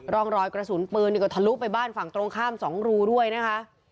รอยกระสุนปืนนี่ก็ทะลุไปบ้านฝั่งตรงข้าม๒รูด้วยนะคะ